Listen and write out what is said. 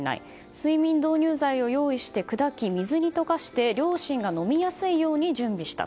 睡眠導入剤を用意して砕き、水に溶かして両親が飲みやすいように準備した。